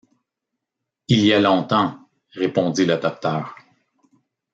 Il y a longtemps, répondit le docteur.